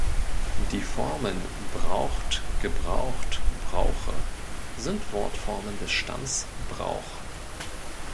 Die Formen "braucht", "gebraucht", "brauche" sind Wortformen des Stamms "brauch-".